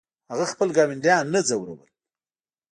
هغه خپل ګاونډیان نه ځورول.